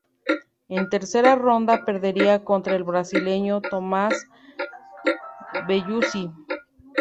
En tercera ronda perdería contra el brasileño Thomaz Bellucci.